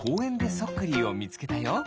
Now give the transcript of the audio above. そっクリーをみつけたよ。